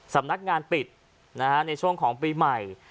สำนักงานปิดในช่วงของปีใหม่